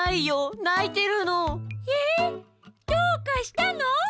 えっどうかしたの？